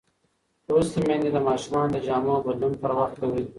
لوستې میندې د ماشومانو د جامو بدلون پر وخت کوي.